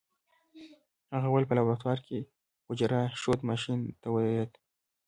هغه اول په لابراتوار کې حجره ښود ماشين ته ودرېد.